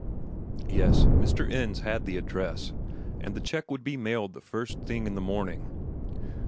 Yes, Mr. Ends had the address, and the check would be mailed the first thing in the morning.